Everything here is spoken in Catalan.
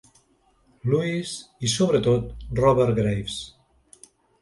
Lewis i, sobretot, Robert Graves.